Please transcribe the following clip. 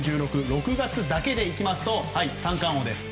６月だけで言いますと三冠王です。